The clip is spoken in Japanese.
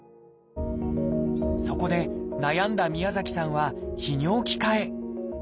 そこで悩んだ宮崎さんは泌尿器科へ。